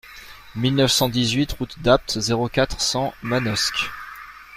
mille neuf cent dix-huit route d'Apt, zéro quatre, cent Manosque